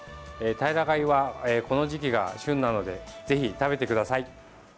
タイラガイはこの時期が旬なのでぜひ食べてください。